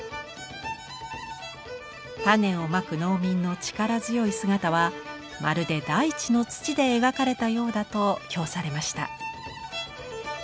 種をまく農民の力強い姿は「まるで大地の土で描かれたようだ」と評されました。